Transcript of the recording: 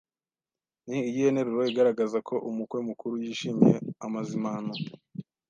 Ni iyihe nteruro igaragaza ko umukwe mukuru yishimiye amazimano